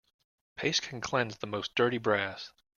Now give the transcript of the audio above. Paste can cleanse the most dirty brass.